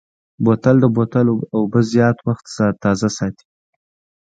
بوتل د بوتل اوبه زیات وخت تازه ساتي.